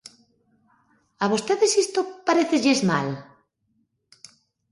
¿A vostedes isto parécelles mal?